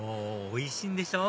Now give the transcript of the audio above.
おいしいんでしょ？